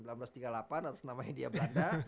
atas namanya india belanda